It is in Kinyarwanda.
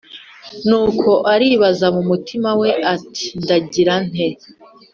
nuko aribaza mu mutima we ati Ndagira nte